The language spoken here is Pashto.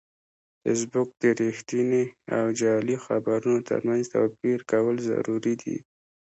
فېسبوک د رښتینې او جعلي خبرونو ترمنځ توپیر کول ضروري دي